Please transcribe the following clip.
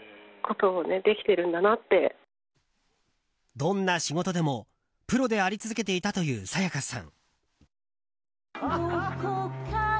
どんな仕事でもプロであり続けていたという沙也加さん。